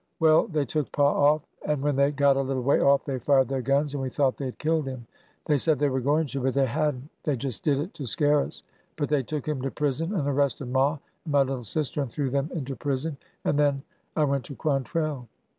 . Well, they took pa oif, and when they got a little way off they fired their guns, and we thought they had killed him. They said they were going to. But they had n't. They just did it to scare us. But they took him to prison, and arrested ma and my little sister and threw them into prison, and then— I went to Quantrell."